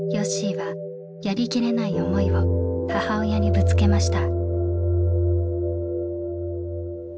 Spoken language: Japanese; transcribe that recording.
はやりきれない思いを母親にぶつけました。